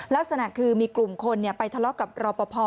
ลักษณะคือมีกลุ่มคนไปทะเลาะกับรอปภ